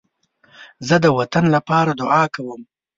زه د وطن لپاره دعا کوم